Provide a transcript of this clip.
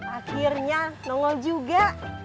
akhirnya nongol juga